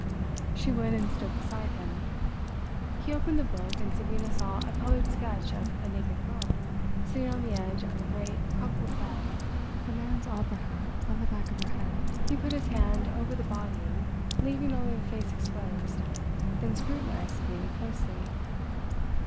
She went and stood beside him. He opened the book, and Sabina saw a coloured sketch of a naked girl sitting on the edge of a great, crumpled bed, a man's opera hat on the back of her head. He put his hand over the body, leaving only the face exposed, then scrutinised Sabina closely.